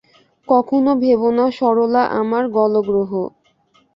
কখনো ভেবো না সরলা আমার গলগ্রহ।